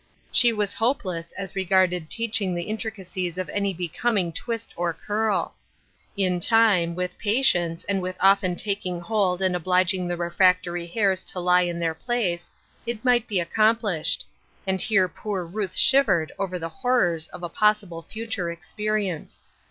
She was hopeless as regarded teaching the intricacies of any becoming twist or curl. In time, with 352 Ruth Urskine^s Crosses, patience and with often taking hold and obliging the refractory hairs to lie in their place, it might be accomplished ; and here poor Ruth shivered over the horrors of a possible future experience.